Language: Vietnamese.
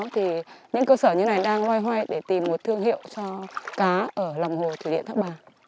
thì những cơ sở như này đang loay hoay để tìm một thương hiệu cho cá ở lòng hồ thủy điện thác bà